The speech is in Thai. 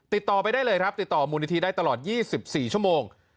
ติดต่อไปได้เลยครับติดต่อมูลนิธิได้ตลอด๒๔ชั่วโมง